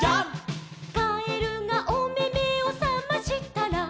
「かえるがおめめをさましたら」